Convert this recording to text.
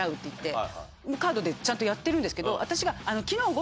カードでちゃんとやってるんですけど私が。